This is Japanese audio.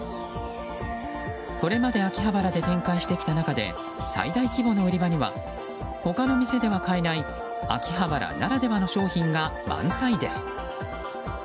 これまで秋葉原で展開してきた中で最大規模の売り場では他の店では買えない秋葉原ならではの商品が満載です。